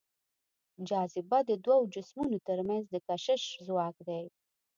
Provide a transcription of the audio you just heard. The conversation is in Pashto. جاذبه د دوو جسمونو تر منځ د کشش ځواک دی.